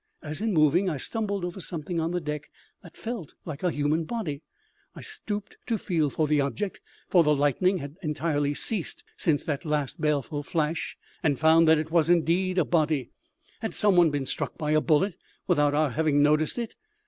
as in moving I stumbled over something on the deck that felt like a human body. I stooped to feel for the object for the lightning had entirely ceased since that last baleful flash and found that it was indeed a body. Had some one been struck by a bullet without our having noticed it?